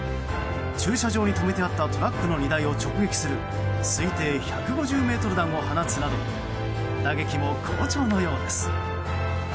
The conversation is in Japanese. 駐車場に止めてあったトラックの荷台を直撃する推定１５０ｍ弾を放つなど打撃も好調のようです。